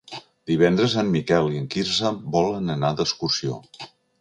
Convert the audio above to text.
Divendres en Miquel i en Quirze volen anar d'excursió.